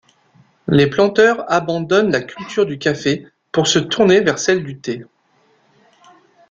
Les planteurs abandonne la culture du café pour se tourner vers celle du thé.